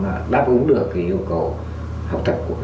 là đáp ứng được cái yêu cầu học tập của